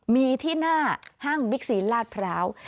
มีที่หน้าห้างบิ๊กซีนลาดพร้าว